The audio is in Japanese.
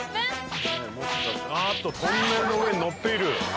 あっとトンネルの上に乗っている。